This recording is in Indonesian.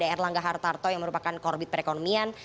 erlangga hartarto yang merupakan korbit perekonomian